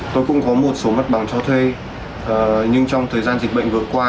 tôi cũng có một số mặt bằng cho thuê nhưng trong thời gian dịch bệnh vừa qua